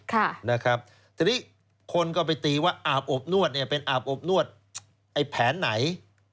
ค่ะนะครับทีนี้คนก็ไปตีว่าอาบอบนวดเนี่ยเป็นอาบอบนวดไอ้แผนไหน